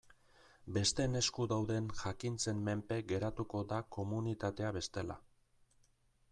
Besteen esku dauden jakintzen menpe geratuko da komunitatea bestela.